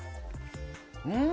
うん！